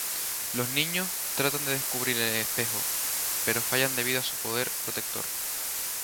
Los niños tratan de destruir el espejo, pero fallan debido su poder protector.